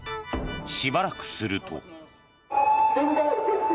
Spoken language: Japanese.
しばらくすると。